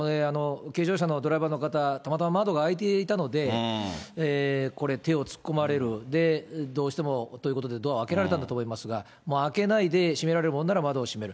軽乗用車のドライバーの方、たまたま窓が開いていたので、これ、手を突っ込まれる、どうしてもということで、ドアを開けられたんだと思いますが、開けないで、閉められるものなら窓を閉める。